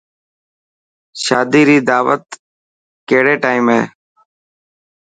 شادي ري داوتو ڪهڙي ٽائم هي.